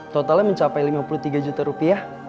totalnya mencapai lima puluh tiga juta rupiah